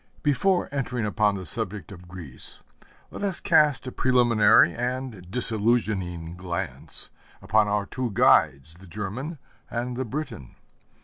Before entering upon the subject of Greece, let us cast a preliminary and disillusioning glance upon our two guides, the German and the Briton.